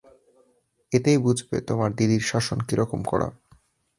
এতেই বুঝবে তোমার দিদির শাসন কিরকম কড়া।